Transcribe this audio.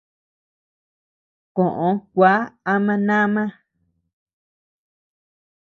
Koʼö kua ama nama.